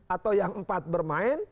atau yang empat bermain